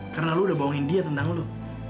karena lu udah bawain dia tentang lu